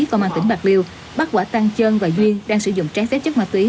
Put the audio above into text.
công an tỉnh bạc liêu bắt quả tăng chân và duyên đang sử dụng trái phép chất ma túy